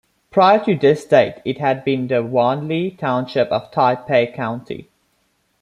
Prior to this date it had been the Wanli Township of Taipei County.